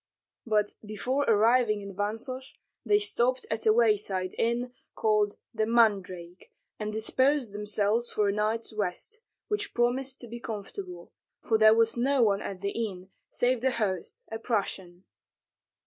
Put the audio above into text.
But before arriving at Vansosh, they stopped at a wayside inn called "The Mandrake," and disposed themselves for a night's rest, which promised to be comfortable, for there was no one at the inn save the host, a Prussian.